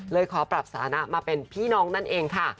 ขอปรับสานะมาเป็นพี่น้องนั่นเองค่ะ